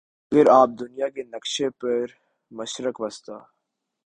اگر آپ دنیا کے نقشے پر مشرق وسطیٰ